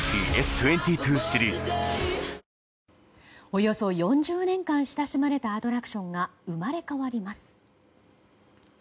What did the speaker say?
およそ４０年間親しまれたアトラクションが生まれ変わります。